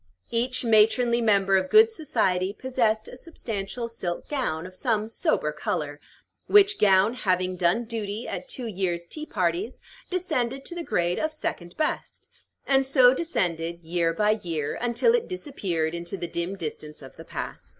Each matronly member of good society possessed a substantial silk gown of some sober color, which gown, having done duty at two years' tea parties, descended to the grade of "second best," and so descended, year by year, until it disappeared into the dim distance of the past.